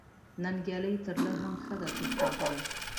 ننګیالۍ ترله هم ښه ده تر تربوره